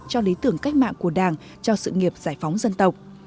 cho lý tưởng cách mạng của đảng cho sự nghiệp giải phóng dân tộc